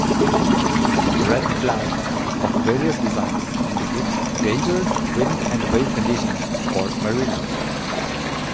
Red flags of various designs indicate dangerous wind and wave conditions for mariners.